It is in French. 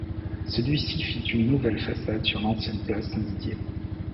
Celui-ci fit une nouvelle façade sur l'ancienne place Saint-Didier.